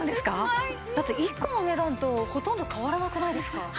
だって１個の値段とほとんど変わらなくないですか？